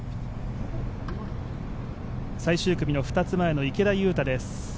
最終組の２つ前の池田勇太です。